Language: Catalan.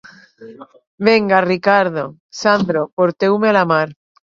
Vinga, Riccardo, Sandro, porteu-me a la mar...